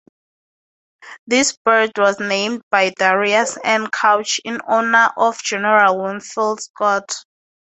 This bird was named by Darius N. Couch in honor of General Winfield Scott.